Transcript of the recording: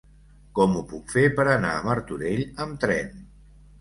Com ho puc fer per anar a Martorell amb tren?